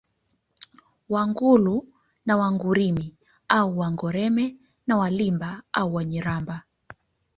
Wangulu na Wangurimi au Wangoreme na Wanilamba au Wanyiramba